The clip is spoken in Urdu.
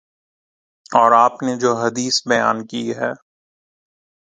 اور آپ نے جو حدیث بیان کی ہے